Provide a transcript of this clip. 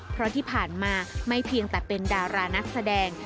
เพราะที่ผ่านมาไม่เพียงแต่เป็นดารานักแสดง